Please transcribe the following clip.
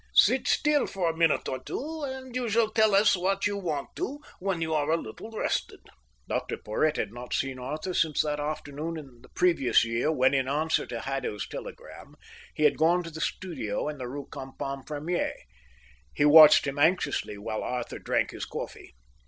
"Sit still for a minute or two, and you shall tell us what you want to when you are a little rested." Dr Porhoët had not seen Arthur since that afternoon in the previous year when, in answer to Haddo's telegram, he had gone to the studio in the Rue Campagne Première. He watched him anxiously while Arthur drank his coffee.